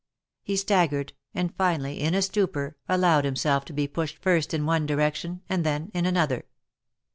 He staggered, and finally, in a stupor, allowed himself to be pushed first in one direction and then in another.